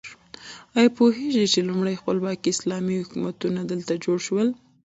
ایا پوهیږئ چې لومړني خپلواکي اسلامي حکومتونه دلته جوړ شول؟